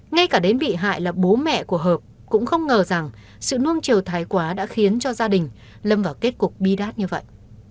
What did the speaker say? ngay cả đến bị hại là bố mẹ của hợp cũng không ngờ rằng sự nuông triều thái quá đã khiến cho gia đình lâm vào kết cục bi đát như vậy